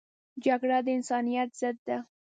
جګړه د انسانیت ضد ده